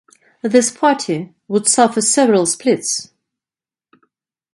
This party would suffer several splits.